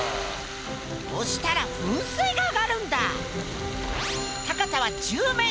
押したら噴水が上がるんだ。